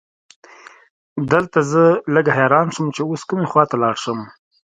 دلته زه لږ حیران شوم چې اوس کومې خواته لاړ شم.